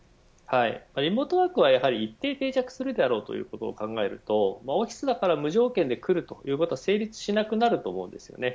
リモートワークは一定定着するということ考えるとオフィスだから無条件で来るということは成立しなくなると思います。